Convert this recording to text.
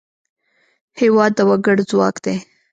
هېواد د وګړو ځواک دی.